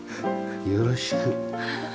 よろしく。